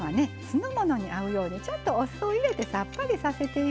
酢の物に合うようにちょっとお酢を入れてさっぱりさせています。